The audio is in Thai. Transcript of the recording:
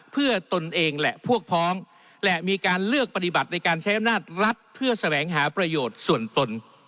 เพื่อตนเองและพวกพ้องและมีการเลือกปฏิบัติในการใช้อำนาจรัฐเพื่อแสวงหาประโยชน์ส่วนตน